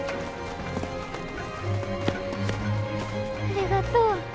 ありがとう。